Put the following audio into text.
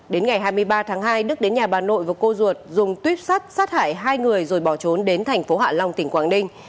đến ngày hai mươi ba tháng hai đức đến nhà bà nội và cô ruột dùng tuyếp sắt sát hại hai người rồi bỏ trốn đến thành phố hạ long tỉnh quảng ninh